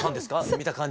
見た感じ。